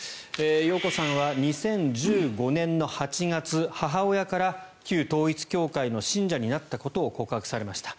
容子さんは２０１５年の８月母親から旧統一教会の信者になったことを告白されました。